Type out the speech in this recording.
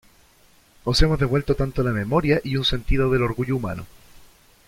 Os hemos devuelto tanto la memoria y un sentido del orgullo humano".